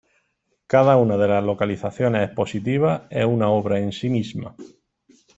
Cada una de las localizaciones expositivas es una obra en sí misma.